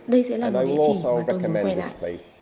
đây sẽ là một địa chỉ mà tôi muốn quay lại